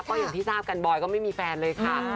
ก็อย่างที่ทราบกันบอยก็ไม่มีแฟนเลยค่ะ